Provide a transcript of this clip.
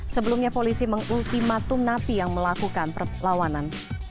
sebelumnya polisi mengultimatum napi yang melakukan perlawanan